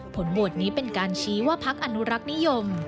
ผลโหวตนี้เป็นการชี้ว่าพักอนุรักษ์นิยม